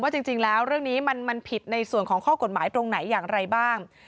จริงแล้วเรื่องนี้มันผิดในส่วนของข้อกฎหมายตรงไหนอย่างไรบ้าง